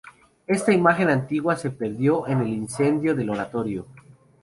Esta imagen antigua se perdió en el incendio del Oratorio.